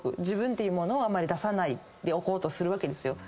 自分っていうものをあまり出さないでおこうとするわけです。